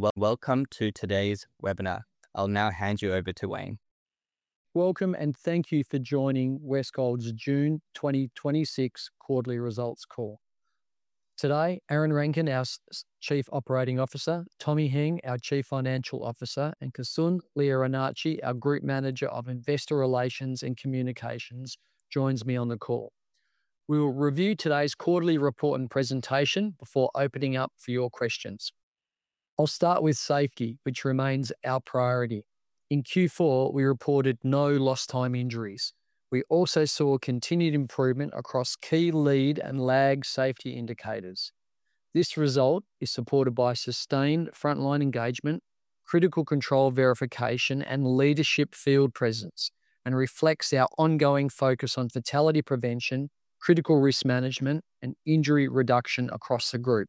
Well, welcome to today's webinar. I'll now hand you over to Wayne. Welcome and thank you for joining Westgold's June 2026 quarterly results call. Today, Aaron Rankine, our Chief Operating Officer, Tommy Heng, our Chief Financial Officer, and Kasun Liyanaarachchi, our Group Manager of Investor Relations and Communications, joins me on the call. We will review today's quarterly report and presentation before opening up for your questions. I'll start with safety, which remains our priority. In Q4, we reported no lost time injuries. We also saw continued improvement across key lead and lag safety indicators. This result is supported by sustained frontline engagement, critical control verification, and leadership field presence, and reflects our ongoing focus on fatality prevention, critical risk management, and injury reduction across the group.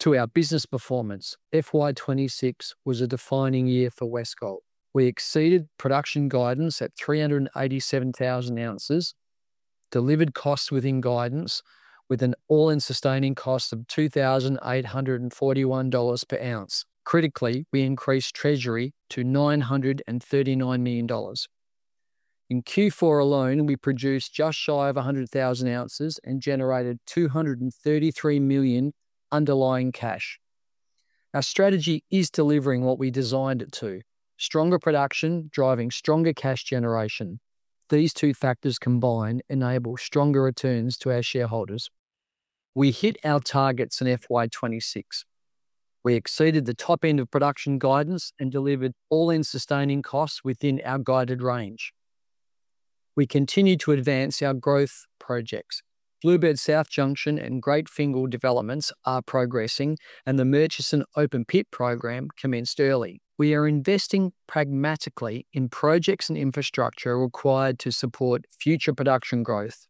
To our business performance, FY 2026 was a defining year for Westgold. We exceeded production guidance at 387,000 ounces, delivered costs within guidance with an all-in sustaining cost of 2,841 dollars per ounce. Critically, we increased treasury to 939 million dollars. In Q4 alone, we produced just shy of 100,000 ounces and generated 233 million underlying cash. Our strategy is delivering what we designed it to. Stronger production driving stronger cash generation. These two factors combined enable stronger returns to our shareholders. We hit our targets in FY 2026. We exceeded the top end of production guidance and delivered all-in sustaining costs within our guided range. We continue to advance our growth projects. Bluebird-South Junction and Great Fingall developments are progressing, and the Murchison Open Pit Programme commenced early. We are investing pragmatically in projects and infrastructure required to support future production growth.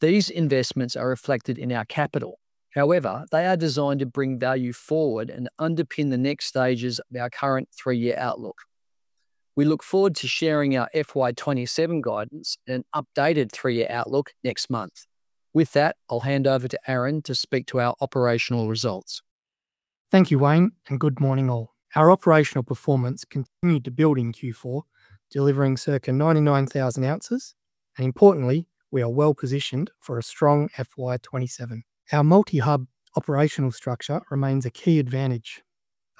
These investments are reflected in our capital. However, they are designed to bring value forward and underpin the next stages of our current three-year outlook. We look forward to sharing our FY 2027 guidance and updated three-year outlook next month. With that, I'll hand over to Aaron to speak to our operational results. Thank you, Wayne, and good morning all. Our operational performance continued to build in Q4, delivering circa 99,000 ounces. Importantly, we are well-positioned for a strong FY 2027. Our multi-hub operational structure remains a key advantage,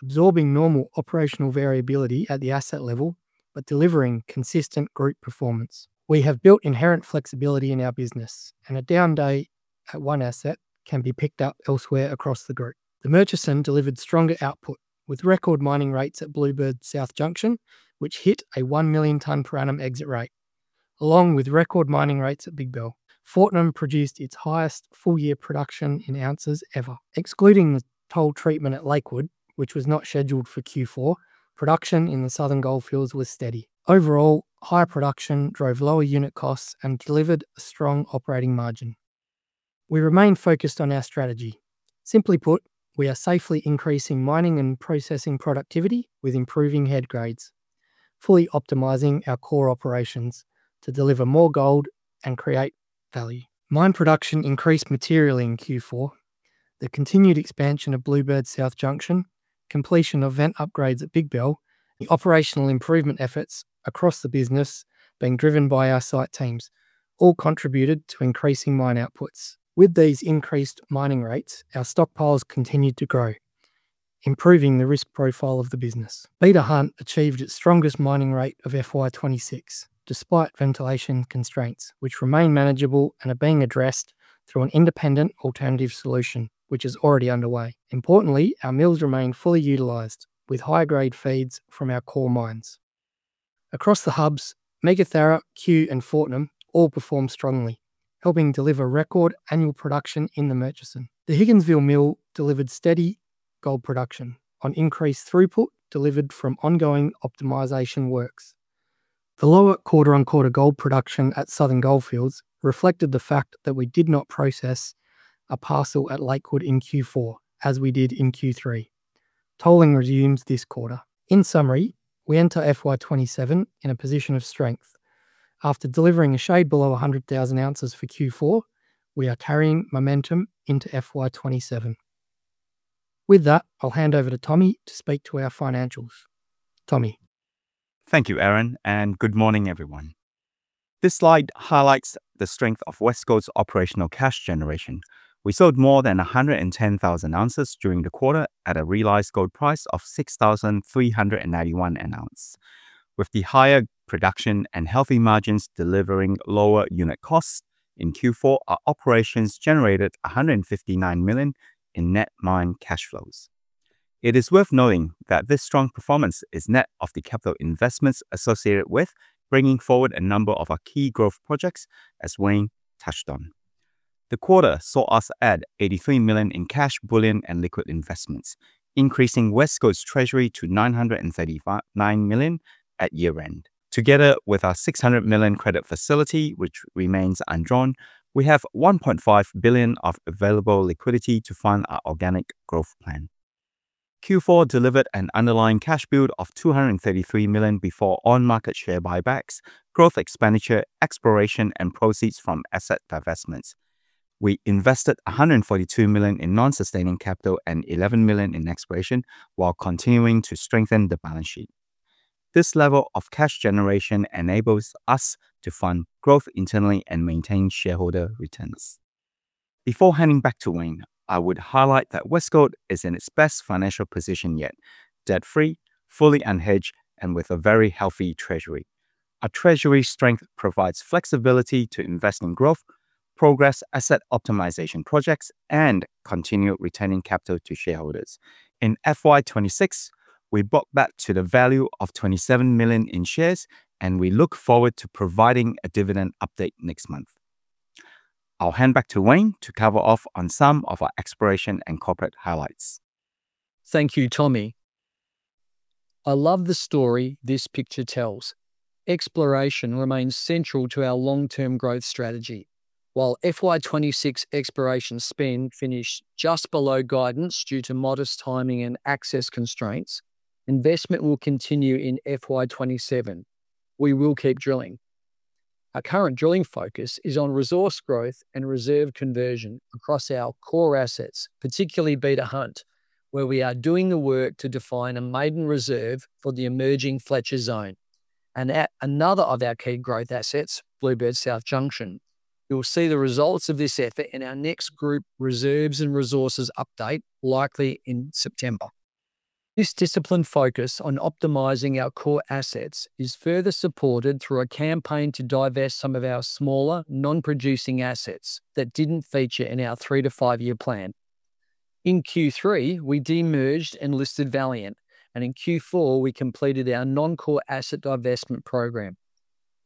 absorbing normal operational variability at the asset level but delivering consistent group performance. We have built inherent flexibility in our business. A down day at one asset can be picked up elsewhere across the group. The Murchison delivered stronger output with record mining rates at Bluebird-South Junction, which hit a 1 million tonne per annum exit rate, along with record mining rates at Big Bell. Fortnum produced its highest full-year production in ounces ever. Excluding the toll treatment at Lakewood, which was not scheduled for Q4, production in the Southern Goldfields was steady. Overall, higher production drove lower unit costs and delivered a strong operating margin. We remain focused on our strategy. Simply put, we are safely increasing mining and processing productivity with improving head grades, fully optimizing our core operations to deliver more gold and create value. Mine production increased materially in Q4. The continued expansion of Bluebird-South Junction, completion of vent upgrades at Big Bell, the operational improvement efforts across the business being driven by our site teams all contributed to increasing mine outputs. With these increased mining rates, our stockpiles continued to grow, improving the risk profile of the business. Beta Hunt achieved its strongest mining rate of FY 2026, despite ventilation constraints, which remain manageable and are being addressed through an independent alternative solution, which is already underway. Importantly, our mills remain fully utilized with higher grade feeds from our core mines. Across the hubs, Meekatharra, Cue, and Fortnum all performed strongly, helping deliver record annual production in the Murchison. The Higginsville Mill delivered steady gold production on increased throughput delivered from ongoing optimization works. The lower quarter-on-quarter gold production at Southern Goldfields reflected the fact that we did not process a parcel at Lakewood in Q4 as we did in Q3. Tolling resumes this quarter. In summary, we enter FY 2027 in a position of strength. After delivering a shade below 100,000 ounces for Q4, we are carrying momentum into FY 2027. With that, I'll hand over to Tommy to speak to our financials. Tommy. Thank you, Aaron, and good morning, everyone. This slide highlights the strength of Westgold's operational cash generation. We sold more than 110,000 ounces during the quarter at a realized gold price of 6,391 an ounce. With the higher production and healthy margins delivering lower unit costs, in Q4, our operations generated 159 million in net mine cash flows. It is worth noting that this strong performance is net of the capital investments associated with bringing forward a number of our key growth projects as Wayne touched on. The quarter saw us add 83 million in cash bullion and liquid investments, increasing Westgold's treasury to 939 million at year-end. Together with our 600 million credit facility, which remains undrawn, we have 1.5 billion of available liquidity to fund our organic growth plan. Q4 delivered an underlying cash build of 233 million before on-market share buybacks, growth expenditure, exploration, and proceeds from asset divestments. We invested 142 million in non-sustaining capital and 11 million in exploration while continuing to strengthen the balance sheet. This level of cash generation enables us to fund growth internally and maintain shareholder returns. Before handing back to Wayne, I would highlight that Westgold is in its best financial position yet, debt-free, fully unhedged, and with a very healthy treasury. Our treasury strength provides flexibility to invest in growth, progress asset optimization projects, and continue returning capital to shareholders. In FY 2026, we bought back to the value of 27 million in shares, and we look forward to providing a dividend update next month. I'll hand back to Wayne to cover off on some of our exploration and corporate highlights. Thank you, Tommy. I love the story this picture tells. Exploration remains central to our long-term growth strategy. While FY 2026 exploration spend finished just below guidance due to modest timing and access constraints, investment will continue in FY 2027. We will keep drilling. Our current drilling focus is on resource growth and reserve conversion across our core assets, particularly Beta Hunt, where we are doing the work to define a maiden reserve for the emerging Fletcher Zone. At another of our key growth assets, Bluebird-South Junction. You will see the results of this effort in our next group reserves and resources update, likely in September. This disciplined focus on optimizing our core assets is further supported through a campaign to divest some of our smaller, non-producing assets that didn't feature in our three to five-year plan. In Q3, we de-merged and listed Valiant, and in Q4, we completed our non-core asset divestment program.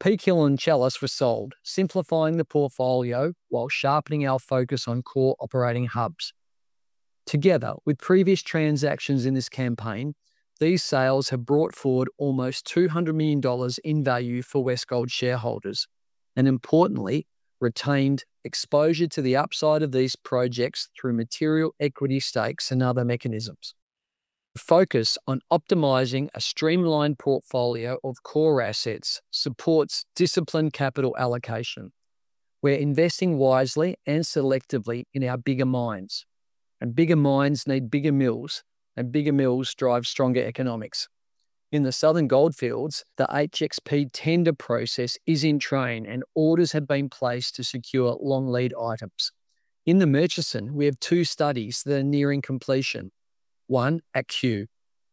Peak Hill and Chalice were sold, simplifying the portfolio while sharpening our focus on core operating hubs. Together with previous transactions in this campaign, these sales have brought forward almost 200 million dollars in value for Westgold shareholders, and importantly, retained exposure to the upside of these projects through material equity stakes and other mechanisms. The focus on optimizing a streamlined portfolio of core assets supports disciplined capital allocation. We're investing wisely and selectively in our bigger mines. Bigger mines need bigger mills, and bigger mills drive stronger economics. In the Southern Goldfields, the HXP tender process is in train, and orders have been placed to secure long lead items. In the Murchison, we have two studies that are nearing completion. One at Cue.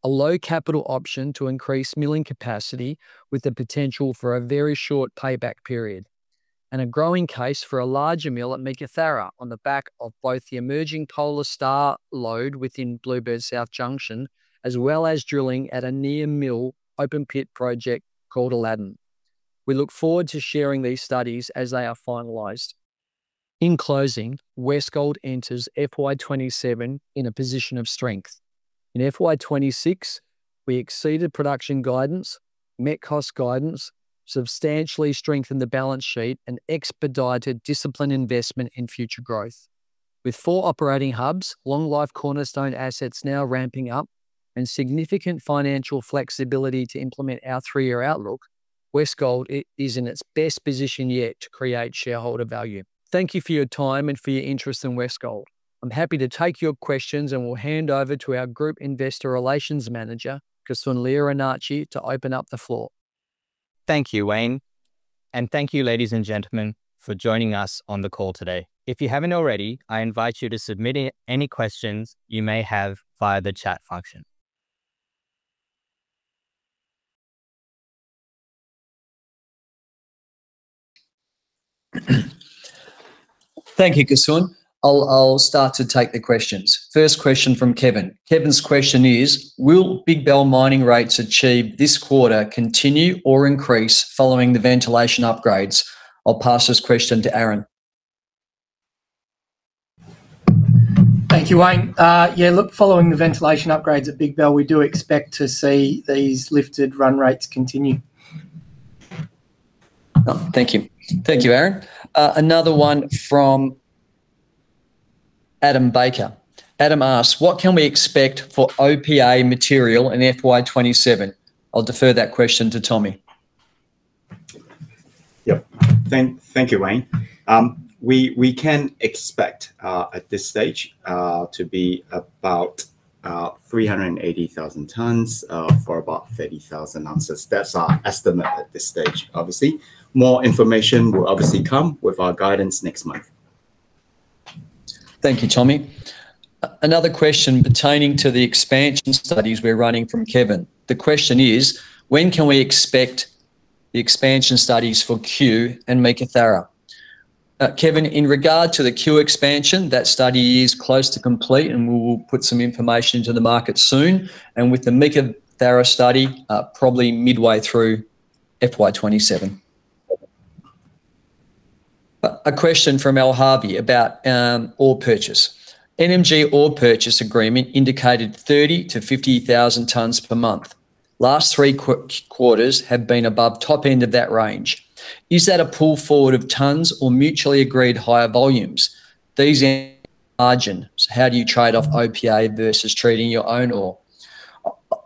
A low-capital option to increase milling capacity with the potential for a very short payback period, a growing case for a larger mill at Meekatharra on the back of both the emerging Polar Star lode within Bluebird-South Junction, as well as drilling at a near mill open-pit project called Aladdin. We look forward to sharing these studies as they are finalized. In closing, Westgold enters FY 2027 in a position of strength. In FY 2026, we exceeded production guidance, met cost guidance, substantially strengthened the balance sheet, and expedited disciplined investment in future growth. With four operating hubs, long life cornerstone assets now ramping up, and significant financial flexibility to implement our three-year outlook, Westgold is in its best position yet to create shareholder value. Thank you for your time and for your interest in Westgold. I'm happy to take your questions, will hand over to our Group Investor Relations Manager, Kasun Liyanaarachchi, to open up the floor. Thank you, Wayne. Thank you, ladies and gentlemen, for joining us on the call today. If you haven't already, I invite you to submit any questions you may have via the chat function. Thank you, Kasun. I'll start to take the questions. First question from Kevin. Kevin's question is, "Will Big Bell mining rates achieved this quarter continue or increase following the ventilation upgrades?" I'll pass this question to Aaron. Thank you, Wayne. Look, following the ventilation upgrades at Big Bell, we do expect to see these lifted run rates continue. Oh, thank you. Thank you, Aaron. Another one from Adam Baker. Adam asks, "What can we expect for OPA material in FY 2027?" I'll defer that question to Tommy. Thank you, Wayne. We can expect, at this stage, to be about 380,000 tons for about 30,000 ounces. That's our estimate at this stage, obviously. More information will obviously come with our guidance next month. Thank you, Tommy. Another question pertaining to the expansion studies we're running from Kevin. The question is, "When can we expect the expansion studies for Cue and Meekatharra?" Kevin, in regard to the Cue expansion, that study is close to complete, and we will put some information to the market soon. With the Meekatharra study, probably midway through FY 2027. A question from Al Harvey about ore purchase. NMG ore purchase agreement indicated 30,000-50,000 tons per month. Last three quarters have been above top end of that range. Is that a pull forward of tons or mutually agreed higher volumes? These end margin, how do you trade off OPA versus treating your own ore?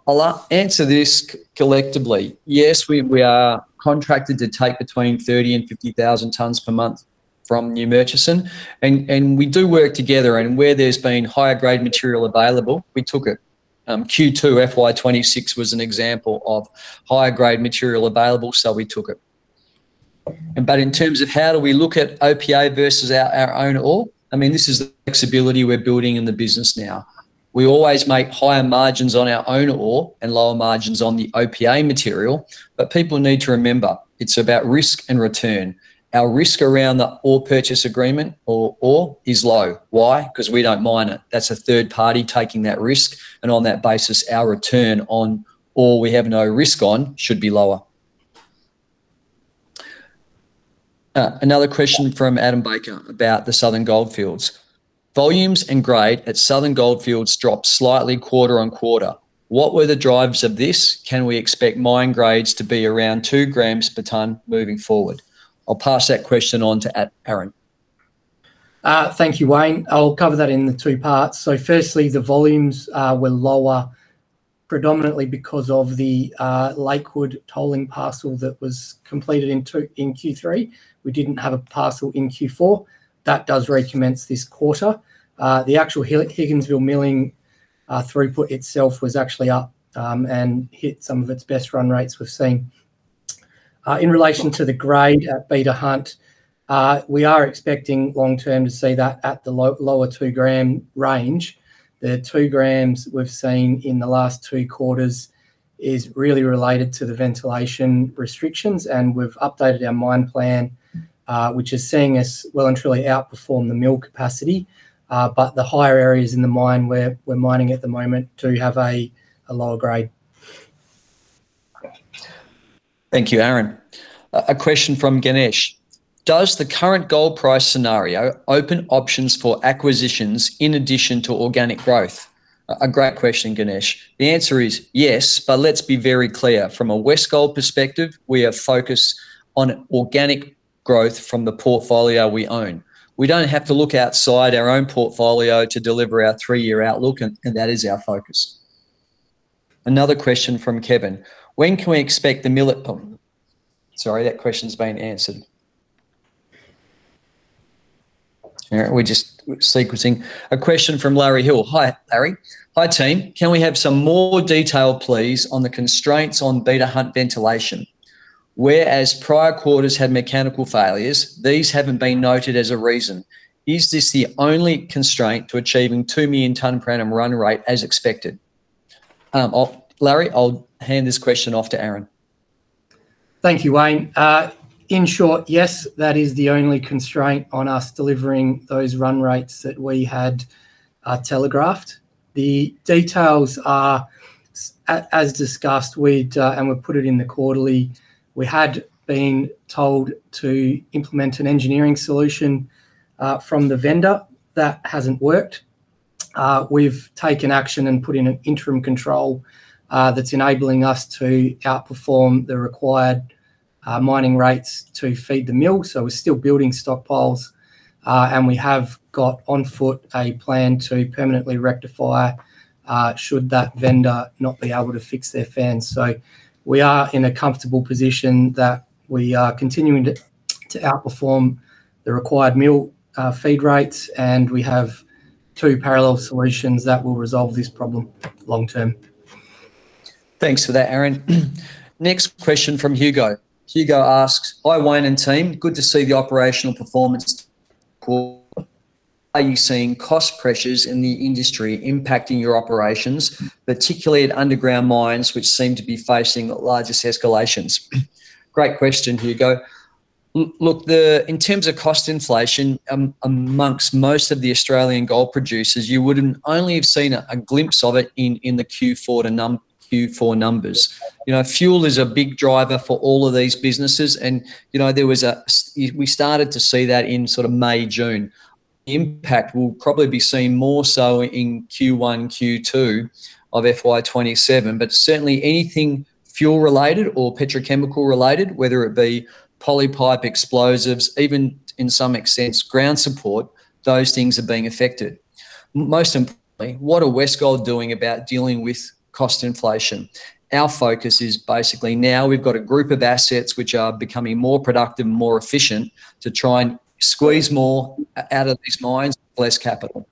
I'll answer this collectively. Yes, we are contracted to take between 30,000 and 50,000 tons per month from New Murchison, and we do work together, and where there's been higher grade material available, we took it. Q2 FY 2026 was an example of higher grade material available, so we took it. In terms of how do we look at OPA versus our own ore, this is the flexibility we're building in the business now. We always make higher margins on our own ore and lower margins on the OPA material. People need to remember, it's about risk and return. Our risk around the ore purchase agreement or ore is low. Why? Because we don't mine it. That's a third party taking that risk, and on that basis, our return on ore we have no risk on, should be lower. Another question from Adam Baker about the Southern Goldfields. Volumes and grade at Southern Goldfields dropped slightly quarter-on-quarter. What were the drivers of this? Can we expect mine grades to be around 2 grams per ton moving forward? I'll pass that question on to Aaron. Thank you, Wayne. I'll cover that in three parts. Firstly, the volumes were lower predominantly because of the Lakewood tolling parcel that was completed in Q3. We didn't have a parcel in Q4. That does recommence this quarter. The actual Higginsville milling throughput itself was actually up and hit some of its best run rates we've seen. In relation to the grade at Beta Hunt, we are expecting long term to see that at the lower 2-gram range. The 2 grams we've seen in the last three quarters is really related to the ventilation restrictions, and we've updated our mine plan, which is seeing us well and truly outperform the mill capacity. The higher areas in the mine where we're mining at the moment do have a lower grade. Thank you, Aaron. A question from Ganesh. Does the current gold price scenario open options for acquisitions in addition to organic growth? A great question, Ganesh. The answer is yes, but let's be very clear. From a Westgold perspective, we are focused on organic growth from the portfolio we own. We don't have to look outside our own portfolio to deliver our three-year outlook, and that is our focus. Another question from Kevin. When can we expect the Milling pump? Sorry, that question's been answered. We're just sequencing. A question from Larry Hill. Hi, Larry. Hi, team. Can we have some more detail, please, on the constraints on Beta Hunt ventilation? Whereas prior quarters had mechanical failures, these haven't been noted as a reason. Is this the only constraint to achieving 2 million ton per annum run rate as expected? Larry, I'll hand this question off to Aaron. Thank you, Wayne. In short, yes, that is the only constraint on us delivering those run rates that we had telegraphed. The details are as discussed, and we've put it in the quarterly. We had been told to implement an engineering solution from the vendor. That hasn't worked. We've taken action and put in an interim control that's enabling us to outperform the required mining rates to feed the mill. We're still building stockpiles, and we have got on foot a plan to permanently rectify should that vendor not be able to fix their fence. We are in a comfortable position that we are continuing to outperform the required mill feed rates, and we have two parallel solutions that will resolve this problem long term. Thanks for that, Aaron. Next question from Hugo. Hugo asks, "Hi, Wayne and team. Good to see the operational performance is strong. Are you seeing cost pressures in the industry impacting your operations, particularly at underground mines, which seem to be facing the largest escalations?" Great question, Hugo. In terms of cost inflation, amongst most of the Australian gold producers, you would only have seen a glimpse of it in the Q4 numbers. Fuel is a big driver for all of these businesses, we started to see that in May/June. Impact will probably be seen more so in Q1, Q2 of FY 2027. Certainly anything fuel related or petrochemical related, whether it be poly pipe explosives, even in some sense ground support, those things are being affected. Most importantly, what are Westgold doing about dealing with cost inflation? Our focus is basically now we've got a group of assets which are becoming more productive and more efficient to try and squeeze more out of these mines with less capital.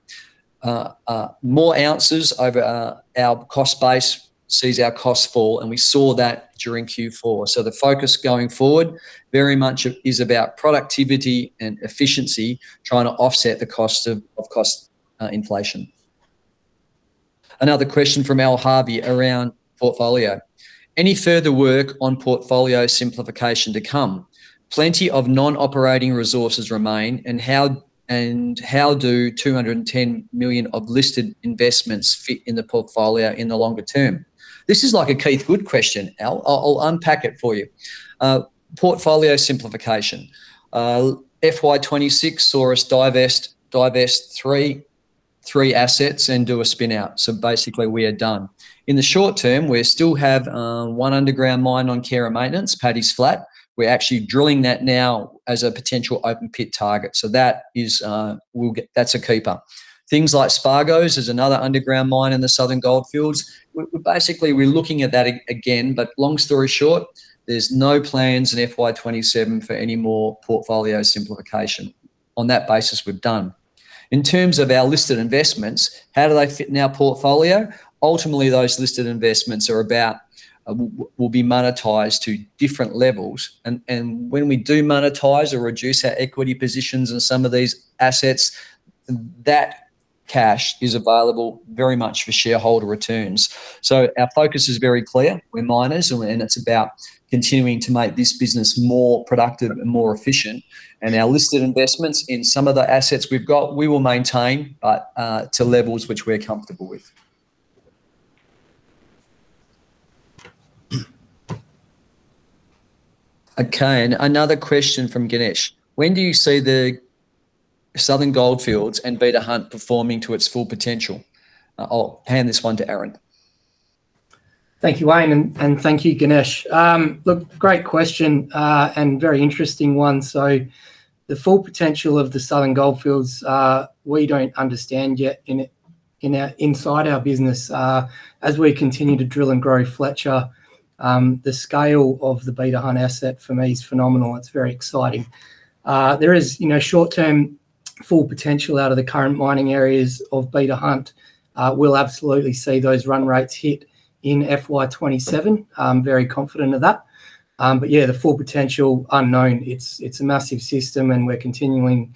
More ounces over our cost base sees our costs fall, we saw that during Q4. The focus going forward very much is about productivity and efficiency, trying to offset the cost of cost inflation. Another question from Al Harvey around portfolio. Any further work on portfolio simplification to come? Plenty of non-operating resources remain, how do 210 million of listed investments fit in the portfolio in the longer term? This is like a Keith Goode question, Al. I'll unpack it for you. Portfolio simplification. FY 2026 saw us divest three assets do a spin out. Basically, we are done. In the short term, we still have one underground mine on care and maintenance, Paddy's Flat. We're actually drilling that now as a potential open pit target. That's a keeper. Things like Spargos is another underground mine in the Southern Goldfields. We're looking at that again, long story short, there's no plans in FY 2027 for any more portfolio simplification. On that basis, we're done. In terms of our listed investments, how do they fit in our portfolio? Ultimately, those listed investments will be monetized to different levels. When we do monetize or reduce our equity positions in some of these assets, that cash is available very much for shareholder returns. Our focus is very clear. We're miners, it's about continuing to make this business more productive and more efficient. Our listed investments in some of the assets we've got, we will maintain, to levels which we're comfortable with. Another question from Ganesh. When do you see the Southern Goldfields and Beta Hunt performing to its full potential? I'll hand this one to Aaron. Thank you, Wayne, and thank you, Ganesh. Great question, very interesting one. The full potential of the Southern Goldfields, we don't understand yet inside our business. As we continue to drill and grow Fletcher, the scale of the Beta Hunt asset for me is phenomenal. It's very exciting. There is short-term full potential out of the current mining areas of Beta Hunt. We'll absolutely see those run rates hit in FY 2027. I'm very confident of that. The full potential, unknown. It's a massive system, and we're continuing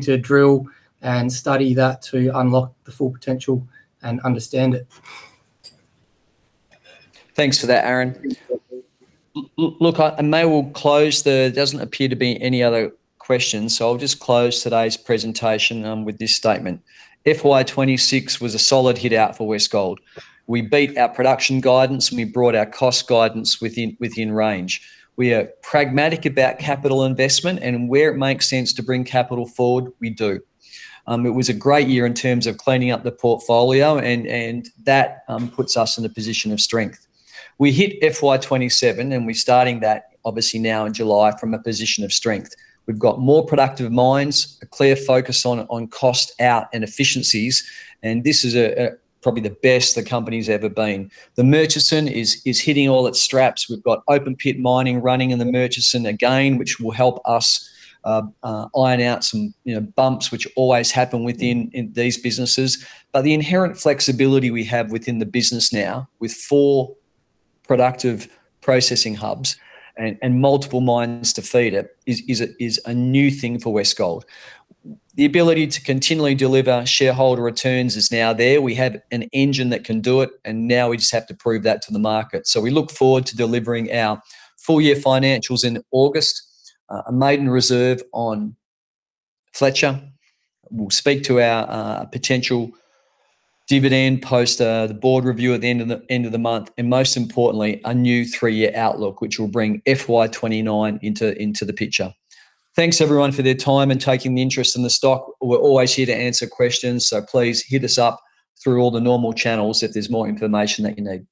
to drill and study that to unlock the full potential and understand it. Thanks for that, Aaron Rankine. It doesn't appear to be any other questions, so I'll just close today's presentation with this statement. FY 2026 was a solid hit-out for Westgold. We beat our production guidance. We brought our cost guidance within range. We are pragmatic about capital investment. Where it makes sense to bring capital forward, we do. It was a great year in terms of cleaning up the portfolio. That puts us in a position of strength. We hit FY 2027. We're starting that obviously now in July from a position of strength. We've got more productive mines, a clear focus on cost out and efficiencies. This is probably the best the company's ever been. The Murchison is hitting all its straps. We've got open pit mining running in the Murchison again, which will help us iron out some bumps which always happen within these businesses. The inherent flexibility we have within the business now with four productive processing hubs and multiple mines to feed it is a new thing for Westgold. The ability to continually deliver shareholder returns is now there. We have an engine that can do it. Now we just have to prove that to the market. We look forward to delivering our full-year financials in August. A maiden reserve on Fletcher will speak to our potential dividend post the board review at the end of the month. Most importantly, a new three-year outlook, which will bring FY 2029 into the picture. Thanks, everyone, for their time and taking the interest in the stock. We're always here to answer questions. Please hit us up through all the normal channels if there's more information that you need.